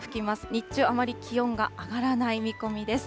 日中、あまり気温が上がらない見込みです。